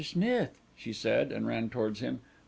Smith," she said, and ran towards him.